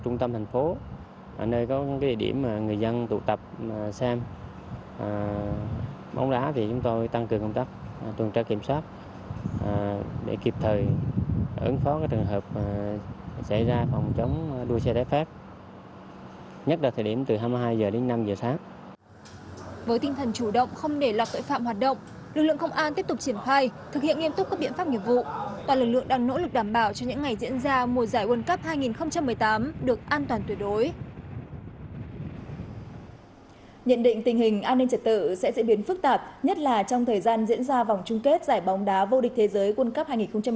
nhận định tình hình an ninh trật tự sẽ diễn biến phức tạp nhất là trong thời gian diễn ra vòng chung kết giải bóng đá vô địch thế giới world cup hai nghìn một mươi tám